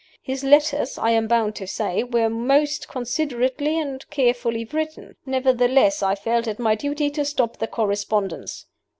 His letters, I am bound to say, were most considerately and carefully written. Nevertheless, I felt it my duty to stop the correspondence.